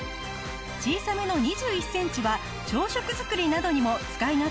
小さめの２１センチは朝食作りなどにも使い勝手抜群です。